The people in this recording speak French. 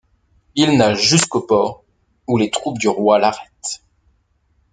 Il nage jusqu'au port où les troupes du roi l'arrêtent.